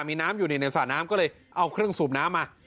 มีน้ำอยู่ในสระน้ำก็เลยเอาเครื่องสูบน้ำมา